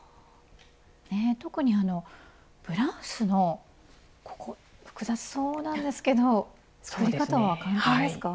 特にブラウスのここ複雑そうなんですけど作り方は簡単ですか？